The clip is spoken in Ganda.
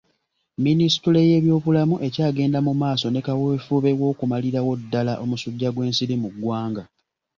Minisitule y'ebyobulamu ekyagenda mu maaso ne kaweefube w'okumalirawo ddaala omusujja gw'ensiri mu ggwanga.